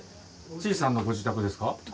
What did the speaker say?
地井さんのご自宅ですか？